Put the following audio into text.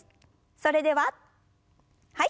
それでははい。